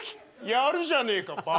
やるじゃねえかばばあ。